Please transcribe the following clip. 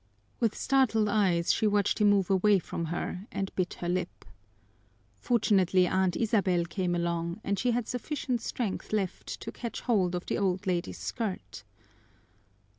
With startled eyes she watched him move away from her, and bit her lip. Fortunately, Aunt Isabel came along, and she had sufficient strength left to catch hold of the old lady's skirt.